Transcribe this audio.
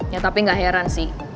ya tapi gak heran sih